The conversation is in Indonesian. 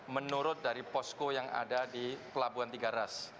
menurut dari posko yang ada di pelabuhan tiga ras